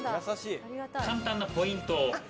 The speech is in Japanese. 簡単なポイントを。